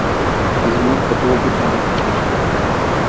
لمر په دوو گوتو نه پټېږي.